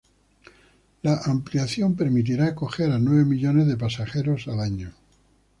La ampliación permitirá acoger a nueve millones de pasajeros al año.